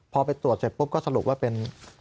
พอไปตรวจเสร็จปุ๊บก็สรุปว่าเป็น